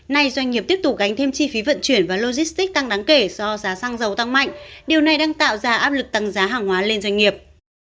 nay doanh nghiệp tiếp tục gánh thêm chi phí vận chuyển và logistics tăng đáng kể do giá xăng dầu tăng mạnh điều này đang tạo ra áp lực tăng giá hàng hóa lên doanh nghiệp